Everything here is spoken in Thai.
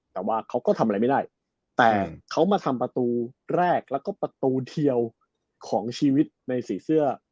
แต่ว่าเขาก็ทำอะไรไม่ได้แต่เขามาทำประตูแรกแล้วก็ประตูเดียวของชีวิตในสีเสื้อ